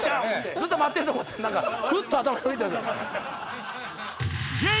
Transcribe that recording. ずっと待ってると思ったら何かふっと頭よぎったんすよ。